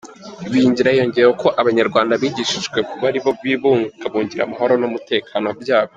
Ibingira yongeyeho ko abanyarwanda bigishijwe kuba aribo bibungabungira amahoro n’umutekano byabo.